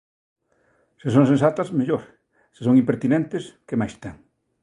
se son sensatas, mellor; se son impertinentes, que máis ten.